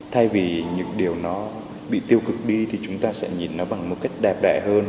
thay vì những điều nó bị tiêu cực đi thì chúng ta sẽ nhìn nó bằng một cách đẹp đẽ hơn